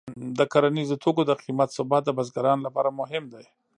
د کرنیزو توکو د قیمتونو ثبات د بزګرانو لپاره مهم دی.